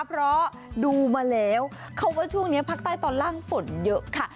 เพราะดูมาแล้วเขาว่าช่วงนี้ภาคใต้ตอนล่างฝนเยอะค่ะ